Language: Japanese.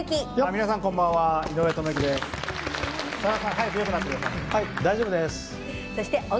皆さんこんばんは井上知幸です。